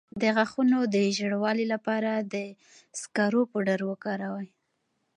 د غاښونو د ژیړوالي لپاره د سکرو پوډر وکاروئ